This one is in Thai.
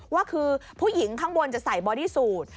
ว่าคือผู้หญิงข้างบนจะใส่บอดี้สูตร